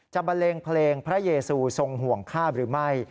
บันเลงเพลงพระเยซูทรงห่วงค่าหรือไม่